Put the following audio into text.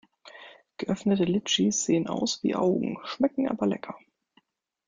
Geöffnete Litschis sehen aus wie Augen, schmecken aber lecker.